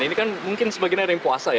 ini kan mungkin sebagiannya dari puasa ya